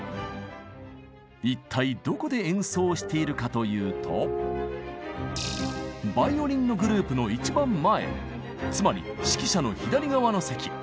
一体どこで演奏しているかというとバイオリンのグループの一番前つまり指揮者の左側の席。